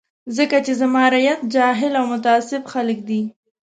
ځکه چې زما رعیت جاهل او متعصب خلک دي.